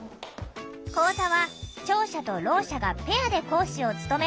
講座は聴者とろう者がペアで講師を務めるのが特徴。